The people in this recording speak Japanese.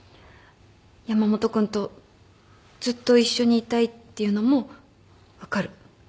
山本君とずっと一緒にいたいっていうのも分かる。